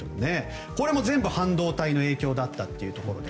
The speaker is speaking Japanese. これも全部、半導体の影響だったというところで。